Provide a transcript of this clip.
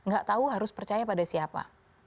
gak tahu harus percaya pada siapa